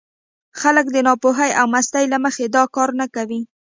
خلک د ناپوهۍ او مستۍ له مخې دا کار نه کوي.